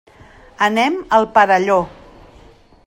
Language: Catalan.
Anem al Perelló.